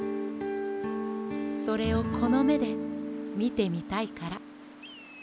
それをこのめでみてみたいからかな。